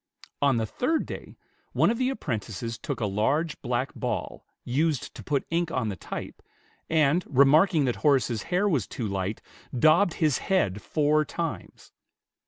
On the third day, one of the apprentices took a large black ball, used to put ink on the type, and remarking that Horace's hair was too light, daubed his head four times.